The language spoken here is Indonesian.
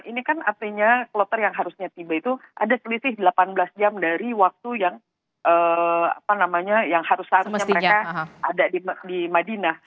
ini kan artinya kloter yang harusnya tiba itu ada selisih delapan belas jam dari waktu yang harus seharusnya mereka ada di madinah